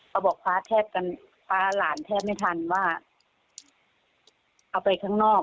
เขาบอกพระอาหารแทบไม่ทันว่าเอาไปข้างนอก